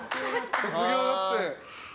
卒業だって。